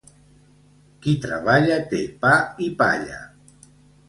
Qui treballa té pa i palla.